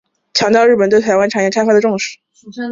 强调日本对台湾产业开发的重视。